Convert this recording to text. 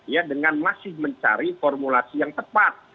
ya dengan masih mencari formulasi yang tepat